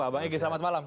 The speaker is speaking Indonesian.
bang egy selamat malam